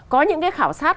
có những cái khảo sát